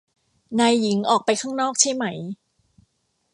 นายหญิงออกไปข้างนอกใช่ไหม